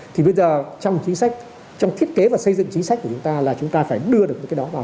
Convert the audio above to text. thì bây giờ trong một chính sách trong thiết kế và xây dựng chính sách của chúng ta là chúng ta phải đưa được những cái đó vào